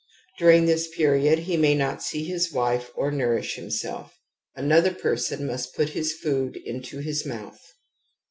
During this period he may not see his wife or nourish himself ; another person must put his food in his mouth.